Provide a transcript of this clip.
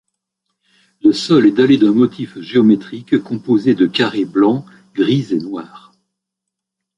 Le sol est dallé d'un motif géométrique composé de carrés blancs, gris et noirs.